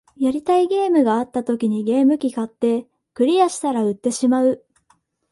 やりたいゲームがあった時にゲーム機買って、クリアしたら売ってしまう